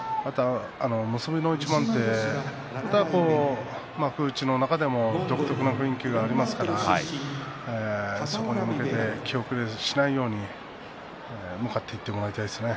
結びの一番は幕内の中でも独特の雰囲気がありますからそこに向けて気後れしないように向かっていってもらいたいですね。